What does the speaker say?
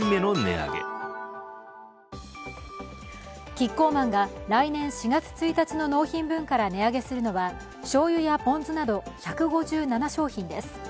キッコーマンが来年４月１日の納品分から値上げするのはしょうゆやポン酢など１５７商品です。